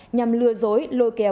nhằm lừa dối lôi kéo